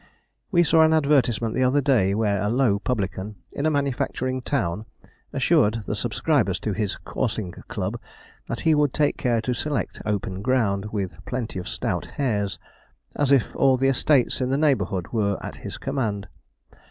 We saw an advertisement the other day, where a low publican, in a manufacturing town, assured the subscribers to his coursing club that he would take care to select open ground, with 'plenty of stout hares,' as if all the estates in the neighbourhood were at his command.